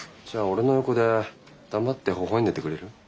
じゃあ俺の横で黙ってほほ笑んでてくれる？